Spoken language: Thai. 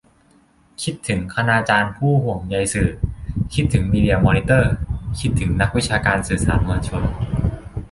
คิดถึง 'คณาจารย์ผู้ห่วงใยสื่อ' คิดถึง 'มีเดียมอนิเตอร์' คิดถึง 'นักวิชาการสื่อสารมวลชน'